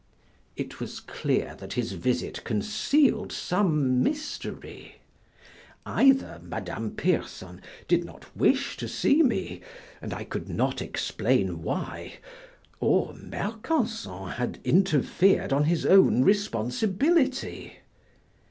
It was clear that his visit concealed some mystery: either Madame Pierson did not wish to see me, and I could not explain why, or Mercanson had interfered on his own responsibility.